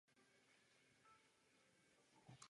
Stojíme před závažným problémem.